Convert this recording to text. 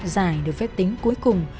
giải được phép tính cuối cùng